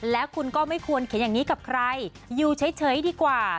และคุณก็ไม่ควรเขียนอย่างนี้กับใครอยู่เฉยดีกว่า